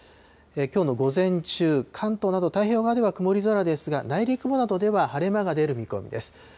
きょうの午前中、関東など、太平洋側では曇り空ですが、内陸部などでは晴れ間が出る見込みです。